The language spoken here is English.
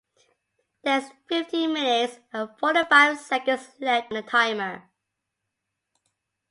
There's fifty minutes and forty five seconds left on the timer.